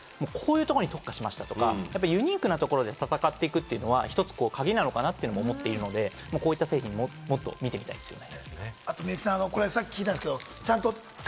逆に、こういうところに特化しましたとか、ユニークなところで戦っていくというのは一つ、カギなのかなと思っているので、こういった製品ももっと見てみたいですよね。